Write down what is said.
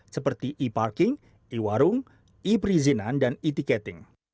seperti e parking e warung e perizinan dan e ticket